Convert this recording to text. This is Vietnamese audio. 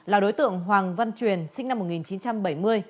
là đối tượng hoàng văn truyền sinh năm một nghìn chín trăm bảy mươi